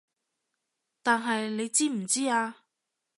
但係你知唔知啊